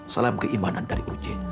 salam keimanan dari uje